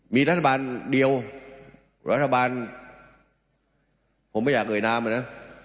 มีรัฐบาลเดียวรัฐบาลผมไม่อยากเอ่ยนามอ่ะนะ